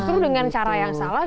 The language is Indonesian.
justru dengan cara yang salah